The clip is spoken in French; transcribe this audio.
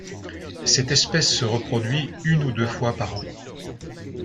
Cette espèce se reproduit une ou deux fois par an.